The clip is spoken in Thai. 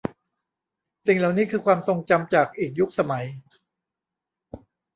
สิ่งเหล่านี้คือความทรงจำจากอีกยุคสมัย